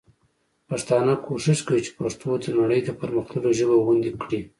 پښتانه کوښښ کوي چي پښتو د نړۍ د پر مختللو ژبو غوندي کړي.